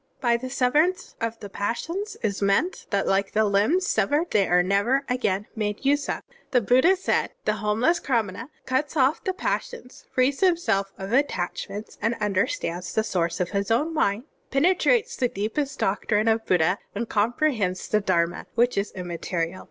"By the severance of the passions is meant that like the limbs severed they are never again made use of. (2) The Buddha said: "The homeless Qra mana cuts off the passions, frees himself of attachments, tmderstands the source of his own mind, penetrates the deepest doctrine of Buddha, and comprehends the Dharma which is immaterial.